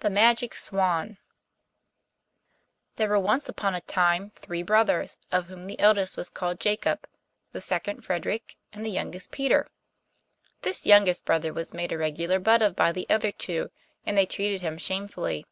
THE MAGIC SWAN There were once upon a time three brothers, of whom the eldest was called Jacob, the second Frederick, and the youngest Peter. This youngest brother was made a regular butt of by the other two, and they treated him shamefully.